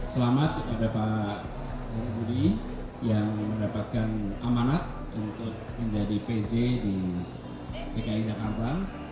selamat kepada pak budi yang mendapatkan amanat untuk menjadi pj di dki jakarta